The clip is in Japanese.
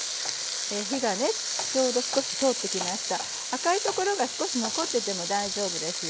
赤いところが少し残ってても大丈夫ですよ。